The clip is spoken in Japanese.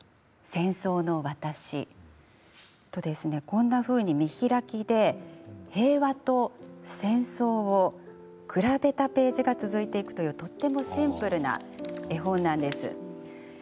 こんなふうに、見開きで平和と戦争を比べたページが続いていくという、とてもシンプルな絵本なんです。